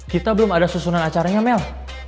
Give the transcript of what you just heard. kita belum ada susunan acaranya mel